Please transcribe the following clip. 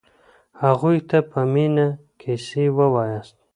هغوی ته په مينه کيسې وواياست.